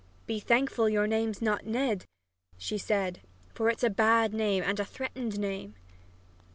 "Be thankful your name's not Ned," she said, "for it's a bad name and a threatened name!"